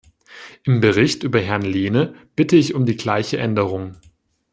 Im Bericht über Herrn Lehne bitte ich um die gleiche Änderung.